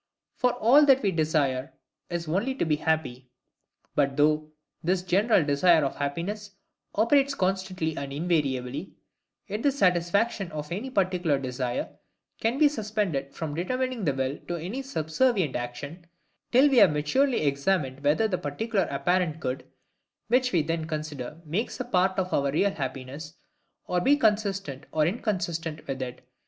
For all that we desire, is only to be happy. But, though this general desire of happiness operates constantly and invariably, yet the satisfaction of any particular desire CAN BE SUSPENDED from determining the will to any subservient action, till we have maturely examined whether the particular apparent good which we then desire makes a part of our real happiness, or be consistent or inconsistent with it.